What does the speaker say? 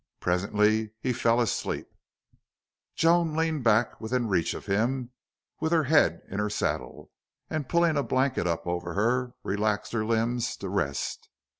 Presently he fell asleep. Joan leaned back, within reach of him, with her head in her saddle, and pulling a blanket up over her, relaxed her limbs to rest.